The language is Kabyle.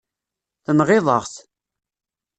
Tenɣiḍ-aɣ-t.